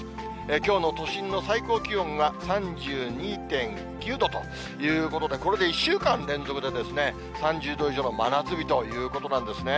きょうの都心の最高気温は３２．９度ということで、これで１週間連続で３０度以上の真夏日ということなんですね。